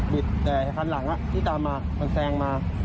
ิดแต่คันหลังที่ตามมามันแซงมา